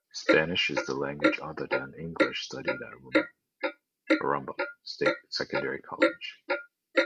Spanish is the Language Other Than English studied at Murrumba State Secondary College.